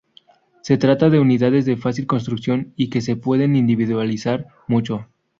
Se trata de unidades de fácil construcción y que se pueden individualizar mucho.